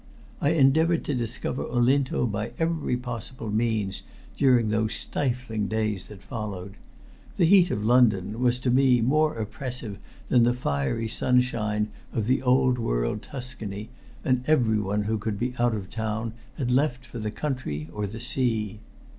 I endeavored to discover Olinto by every possible means during those stifling days that followed. The heat of London was, to me, more oppressive than the fiery sunshine of the old world Tuscany, and everyone who could be out of town had left for the country or the sea.